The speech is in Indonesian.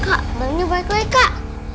kak bajunya baik baik kak